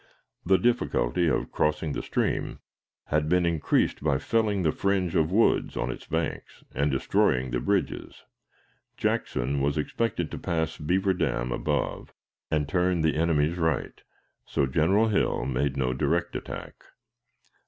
The difficulty of crossing the stream had been increased by felling the fringe of woods on its banks and destroying the bridges. Jackson was expected to pass Beaver Dam above, and turn the enemy's right, so General Hill made no direct attack.